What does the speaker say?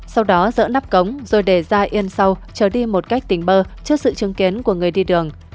sau đó dỡ nắp cống rồi đề ra yên sau trở đi một cách tình bơ trước sự chứng kiến của người đi đường